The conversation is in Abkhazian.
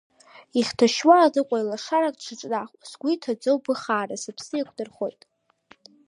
Ихьҭашьуа аныҟәаҩ лашарак дшыҿнахуа, сгәы иҭаӡоу быхаара сыԥсы еиқәнархоит.